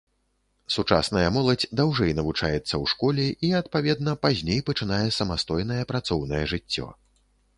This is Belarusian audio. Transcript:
Сучасная моладзь даўжэй навучаецца ў школе і, адпаведна, пазней пачынае самастойнае працоўнае жыццё.